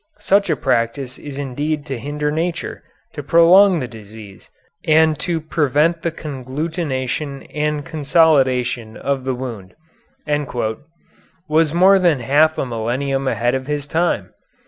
Such a practice is indeed to hinder nature, to prolong the disease, and to prevent the conglutination and consolidation of the wound" was more than half a millennium ahead of his time.